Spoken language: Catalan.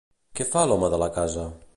Què fa l'home de la casa?